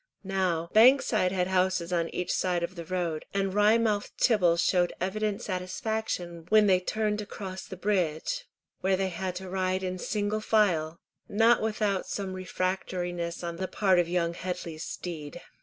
Now, Bankside had houses on each side of the road, and Wry mouthed Tibble showed evident satisfaction when they turned to cross the bridge, where they had to ride in single file, not without some refractoriness on the part of young Headley's steed.